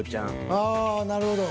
ああなるほど。